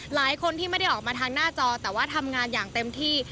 หลายคนที่ไม่ได้ออกมาทางหน้าจอแต่ว่าทำงานอย่างเต็มที่